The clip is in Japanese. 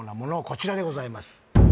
こちらでございます